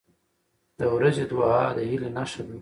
• د ورځې دعا د هیلې نښه ده.